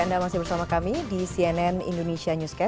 jadi ada dua hal yang ingin saya